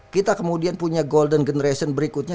kita kemudian punya golden generation berikutnya